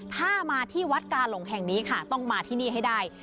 ถ้ามาที่วัดกาหลงแห่งนี้ค่ะต้องมาที่นี่ให้ได้